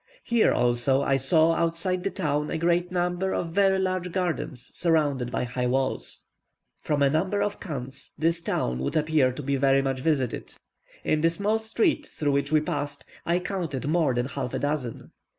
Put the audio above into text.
Here also I saw outside the town a great number of very large gardens surrounded by high walls. From the number of chans, this town would appear to be very much visited. In the small street through which we passed, I counted more than half a dozen.